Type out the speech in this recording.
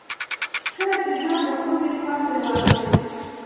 کله چې ژوند مو ښه وي خوند ترې واخلئ.